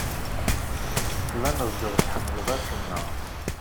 Tettbaneḍ-d ur tḥemmleḍ acemma.